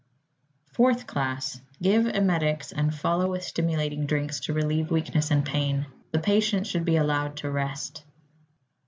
Fourth class. Give emetics, and follow with stimulating drinks to relieve weakness and pain. The patient should be allowed to rest.